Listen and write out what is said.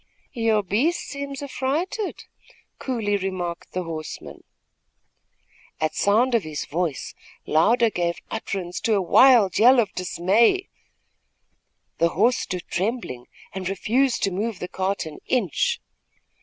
"Your beast seems affrighted," coolly remarked the horseman. At sound of his voice, Louder gave utterance to a wild yell of dismay. The horse stood trembling and refused to move the cart an inch.